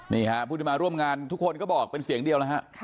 นี่ฮะผู้ที่มาร่วมงานทุกคนก็บอกเป็นเสียงเดียวนะฮะ